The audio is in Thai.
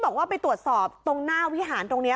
บอกว่าไปตรวจสอบตรงหน้าวิหารตรงนี้